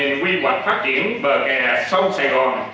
tầm nhìn quy hoạch phát triển bờ kè sông sài gòn